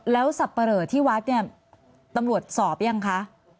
แล้วสับปะเหลอที่วัดเนี่ยตำรวจสอบยังคะ